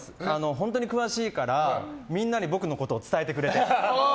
本当に詳しいからみんなに僕のことを伝えてくれて。